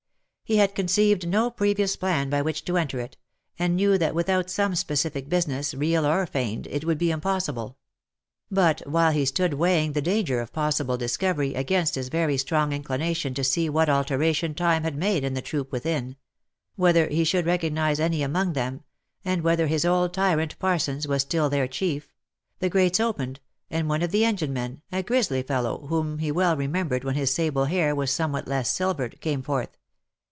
He had conceived no previous plan by which to enter it, and knew that without some specific business, real or feigned, it would be im possible ; but while he stood weighing the danger of possible discovery against his very strong inclination to see what alteration time had made in the troop within — whether he should recognise any among them — and whether his old tyrant, Parsons, was still their chief, — the gates opened, and one of the engine men, a grizzly fellow, whom he well re membered when his sable hair was somewhat less silvered, came forth.